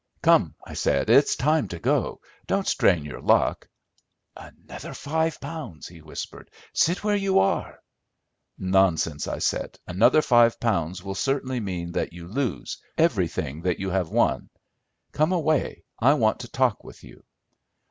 "Come," I said, "it is time to go. Don't strain your luck." "Another five pounds," he whispered; "sit where you are." "Nonsense," I said, "another five pounds will certainly mean that you lose, everything you have won. Come away, I want to talk with you."